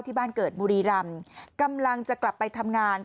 ที่บ้านเกิดบุรีรำกำลังจะกลับไปทำงาน